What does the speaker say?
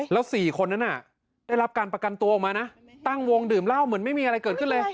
แล้ว๔คนนั้นได้รับการประกันตัวออกมานะตั้งวงดื่มเหล้าเหมือนไม่มีอะไรเกิดขึ้นเลย